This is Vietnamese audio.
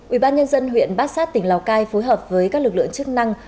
ủy ban nhân dân huyện bát sát tỉnh lào cai phối hợp với các lực lượng chức năng